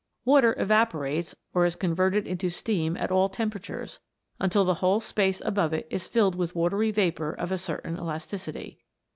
Water evaporates, or is convei'ted into steam at all temperatures, until the whole space above it is filled with watery vapour of a certain elasticity.